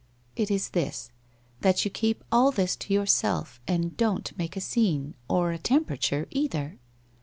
1 It is this, that you keep all ibis to yourself, and don't make a scene or a temperature either.'